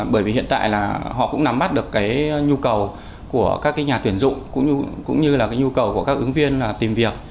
bởi vì hiện tại họ cũng nắm mắt được nhu cầu của các nhà tuyển dụng cũng như là nhu cầu của các ứng viên tìm việc